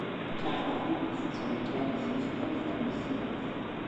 Carol tettenkar zik yal tanezzayt.